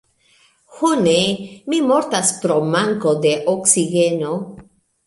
Ho ne! Mi mortas pro manko de oksigeno!